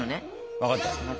分かった。